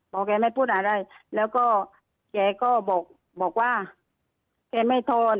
แกไม่พูดอะไรแล้วก็แกก็บอกว่าแกไม่ทอน